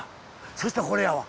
そしたらこれやわ。